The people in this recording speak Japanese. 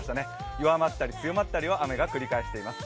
弱まったり強まったりを雨、繰り返しています。